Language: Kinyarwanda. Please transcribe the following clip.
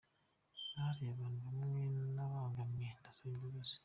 Niba hari abantu bamwe nabangamiye ndasaba imbabazi.